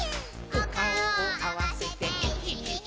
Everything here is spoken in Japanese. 「おかおをあわせてイヒヒヒ」